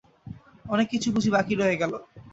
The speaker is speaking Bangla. অনেক কিছু বুঝি বাকি রয়ে গেল।